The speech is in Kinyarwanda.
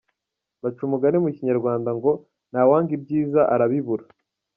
Baca umugani mu Kinyarwanda ngo’Ntawanga ibyiza arabibura’.